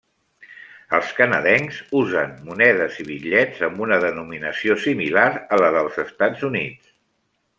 Els canadencs usen monedes i bitllets amb una denominació similar a les dels Estats Units.